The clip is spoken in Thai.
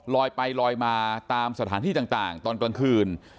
ลอยไปลอยมาตามสถานที่ต่างตอนกลางคืน